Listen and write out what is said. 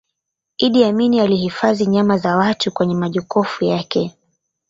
iddi amini alihifadhi nyama za watu kwenye majokofu yake